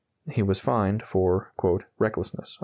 (He was fined for "recklessness.")